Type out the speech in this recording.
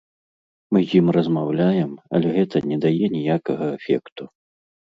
Мы з ім размаўляем, але гэта не дае ніякага эфекту.